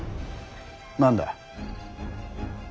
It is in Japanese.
何だ。